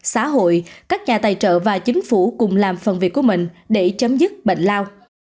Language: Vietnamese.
xã hội các nhà tài trợ và chính phủ cùng làm phần việc của mình để chấm dứt bệnh lao